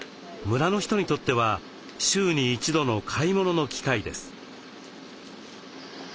村の人にとっては週に一度の買い物の機会です。